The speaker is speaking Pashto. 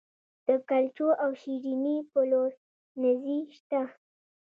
د کلچو او شیریني پلورنځي شته